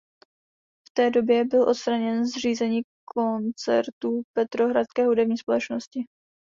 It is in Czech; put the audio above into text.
V té době byl odstraněn z řízení koncertů Petrohradské hudební společnosti.